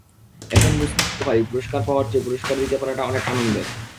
এখন বুঝতে পারি পুরস্কার পাওয়ার চেয়ে পুরস্কার দিতে পারাটা অনেক আনন্দের।